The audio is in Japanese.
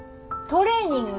トレーニング？